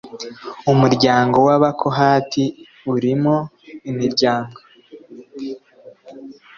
Umuryango w Abakohati urimo imiryango